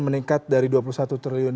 meningkat dari dua puluh satu triliun